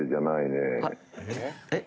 えっ？